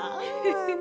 フフフ。